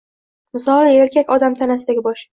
Misoli erkak odam tanasidagi bosh.